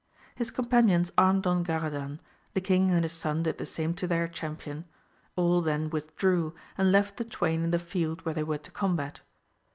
His companions armed Don (jlaradan, the king apd his son did the same to their champion ; all then withdrew, and left the twain in the field where they were to combat.